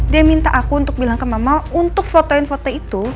dia minta aku untuk bilang ke mama untuk fotoin foto itu